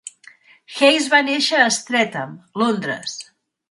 Hayes va néixer a Streatham, Londres.